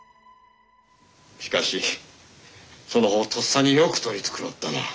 しかしそのほうとっさによく取り繕ったな。